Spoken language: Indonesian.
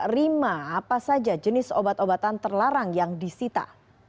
rima apa saja jenis obat obatan terlarang yang disita